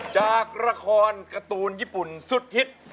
จากละครการ์ตูนญี่ปุ่นสุดฮิต